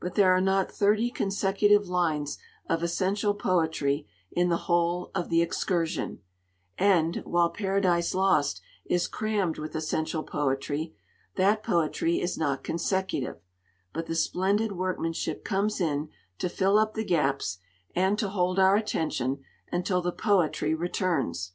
But there are not thirty consecutive lines of essential poetry in the whole of The Excursion, and, while Paradise Lost is crammed with essential poetry, that poetry is not consecutive; but the splendid workmanship comes in to fill up the gaps, and to hold our attention until the poetry returns.